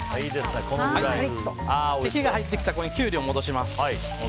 火が入ってきたらキュウリを戻し入れます。